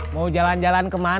mau jalan jalan kemana